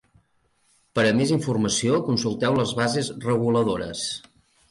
Per a més informació, consulteu les bases reguladores.